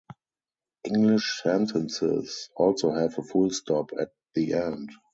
English sentences also have a full stop at the end.